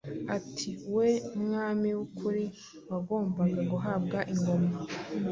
atari we mwami w’ukuri wagombaga guhabwa ingoma.